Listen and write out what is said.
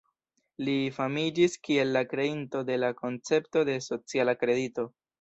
Li famiĝis kiel la kreinto de la koncepto de sociala kredito.